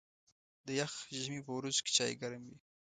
د یخ ژمي په ورځو کې چای ګرم وي.